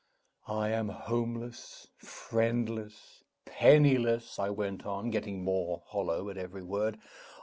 "I am homeless, friendless, penniless," I went on, getting more hollow at every word.